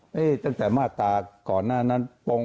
ตั้งแต่มาตราก่อนหน้านั้น